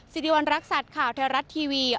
สิริวัณรักษัตริย์ข่าวไทยรัฐทีวี